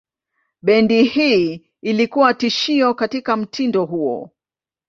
Bendi hii ilikuwa tishio katika mtindo huo.